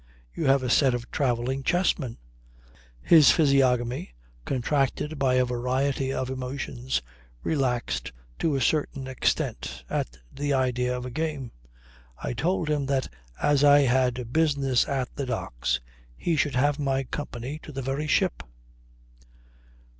You have a set of travelling chessmen." His physiognomy, contracted by a variety of emotions, relaxed to a certain extent at the idea of a game. I told him that as I had business at the Docks he should have my company to the very ship.